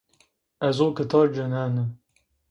Ezo gitar cınenu.